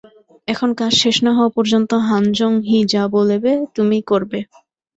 এখন, কাজ শেষ হওয়া না পর্যন্ত হান জং-হি যা বলেবে তুমি করবে।